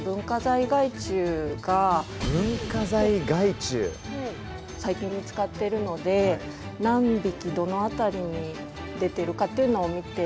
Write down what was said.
虫を探していたのはここは最近見つかってるので何匹どの辺りに出てるかっていうのを見てます。